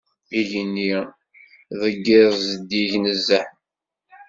Igenni deg iḍ zeddig nezzeh.